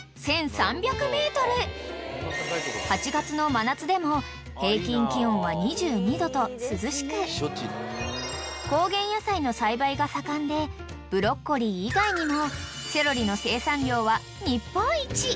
［８月の真夏でも平均気温は２２℃と涼しく高原野菜の栽培が盛んでブロッコリー以外にも］